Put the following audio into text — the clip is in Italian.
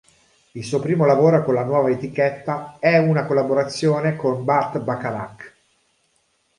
Il suo primo lavoro con la nuova etichetta è una collaborazione con Burt Bacharach.